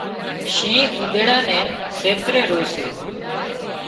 شينهن اُونۮيڙا نين سيتري رو سي